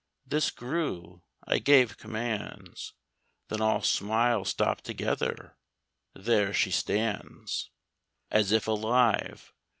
This grew; I gave commands; Then all smiles stopped together. There she stands As if alive.